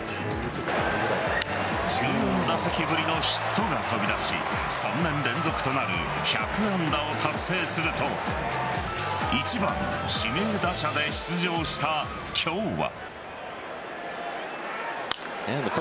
１４打席ぶりのヒットが飛び出し３年連続となる１００安打を達成すると１番・指名打者で出場した今日は。